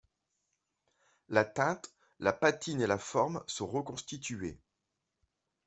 La teinte, la patine et la forme sont reconstituées.